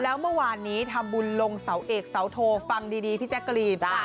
แล้วเมื่อวานนี้ทำบุญลงเสาเอกเสาโทฟังดีพี่แจ๊กกะรีน